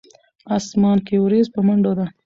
اسمان کښې وريځ پۀ منډو ده